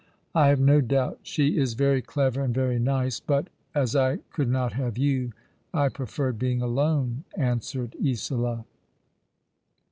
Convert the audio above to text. '' I have no doubt she is very clever and very nice ; but, as I could not have you, I preferred being alone," answered Isola.